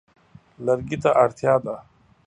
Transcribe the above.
لرګي ته اړتیا ده.